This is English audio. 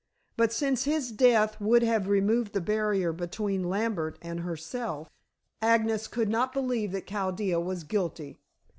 But since his death would have removed the barrier between Lambert and herself, Agnes could not believe that Chaldea was guilty.